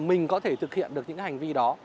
mình có thể thực hiện được những hành vi đó